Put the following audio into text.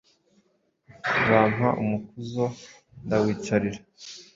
bampa umukuzo ndawicarira